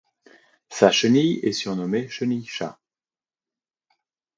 Sa chenille est surnommée chenille-chat.